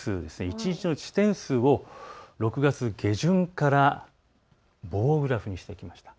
一日の地点数を６月下旬から棒グラフにしておきました。